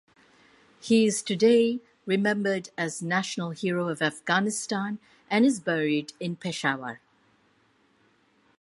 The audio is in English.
He is today remembered as National Hero of Afghanistan and is buried in Peshawar.